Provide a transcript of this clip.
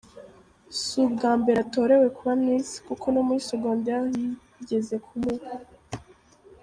Si ubwa mbere atorewe kuba Miss kuko no muri Secondaire yigeze kumuba.